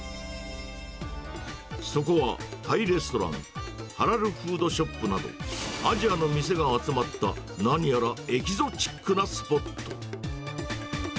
そこは、タイレストラン、ハラルフードショップなど、アジアの店が集まった、何やらエキゾチックなスポット。